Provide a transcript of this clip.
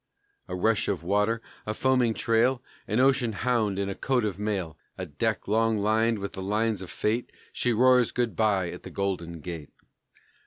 A rush of water, a foaming trail, An ocean hound in a coat of mail, A deck long lined with the lines of fate, She roars good by at the Golden Gate.